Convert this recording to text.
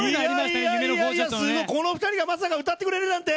この２人がまさか歌ってくれるなんて。